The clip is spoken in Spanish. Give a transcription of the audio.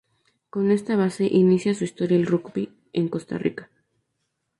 Con esta base inicia su historia el rugby en Costa Rica.